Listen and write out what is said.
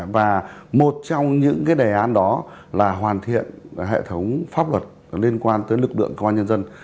và một trong những đề án đó là hoàn thiện hệ thống pháp luật liên quan tới lực lượng công an nhân dân